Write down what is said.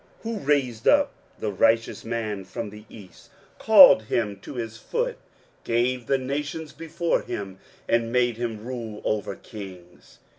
23:041:002 Who raised up the righteous man from the east, called him to his foot, gave the nations before him, and made him rule over kings?